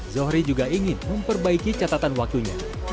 zohri juga ingin memperbaiki catatan waktunya